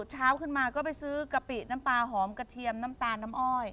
เช้าขึ้นมาก็ไปซื้อกะปิน้ำปลาหอมกระเทียมน้ำตาลน้ำอ้อย